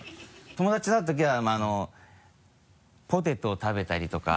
友達と会うときはポテトを食べたりとか。